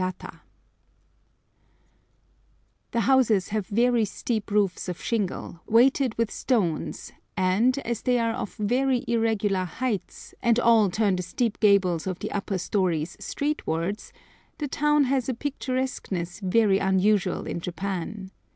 [Picture: Street and Canal] The houses have very steep roofs of shingle, weighted with stones, and, as they are of very irregular heights, and all turn the steep gables of the upper stories streetwards, the town has a picturesqueness very unusual in Japan.